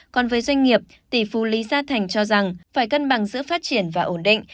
còn với doanh nghiệp tỷ phú lý gia thành cho rằng phải cân bằng giữa phát triển và ổn định